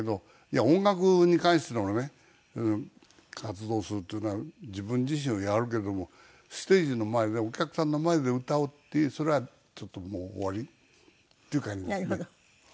いや音楽に関してのね活動するというのは自分自身はやるけどもステージの前でお客さんの前で歌うっていうそれはちょっともう終わりっていう感じですね。